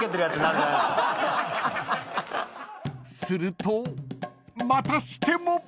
［するとまたしても］